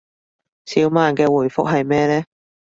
小曼嘅回覆係咩呢